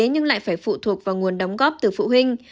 nhưng lại phải phụ thuộc vào nguồn đóng góp từ phụ huynh